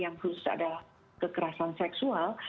yang khusus adalah kekerasan seksual